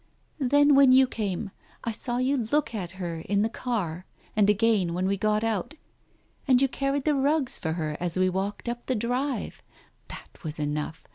"Then when you came — I saw you look at her, in the car, and again, when we got out, and you carried the rugs for her as we walked up the drive — that was enough